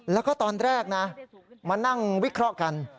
แล้วก็ตอนแรกนะมานั่งวิเคราะห์กัน